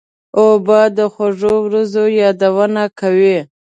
اوبه د خوږو ورځو یادونه کوي.